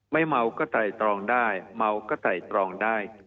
เมาก็ไตรตรองได้เมาก็ไต่ตรองได้